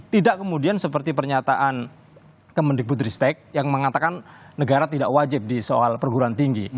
tidak kemudian seperti pernyataan kemendikbutristek yang mengatakan negara tidak wajib di soal perguruan tinggi